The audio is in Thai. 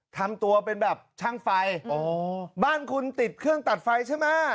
ทำตัวเป็นแบบช่างไฟอ๋อบ้านคุณติดเครื่องตัดไฟใช่ไหม